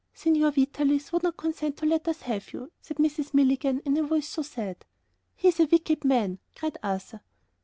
"Signor Vitalis would not consent to let us have you," said Mrs. Milligan in a voice so sad. "He's a wicked man!" cried Arthur.